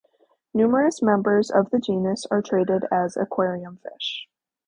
Numerous members of the genus are traded as aquarium fish.